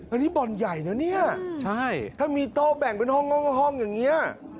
อันนี้บ่อนใหญ่นะเนี่ยใช่ถ้ามีโต๊ะแบ่งเป็นห้องอย่างนี้